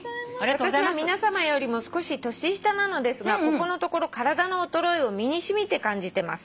「私は皆さまよりも少し年下なのですがここのところ体の衰えを身に染みて感じてます」